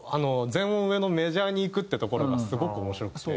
全音上のメジャーにいくってところがすごく面白くて。